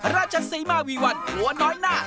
ราชศรีมาวีวันหัวน้อยหน้า